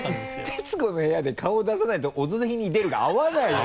「徹子の部屋で顔を出さない」と「オドぜひに出る」が合わないのよ！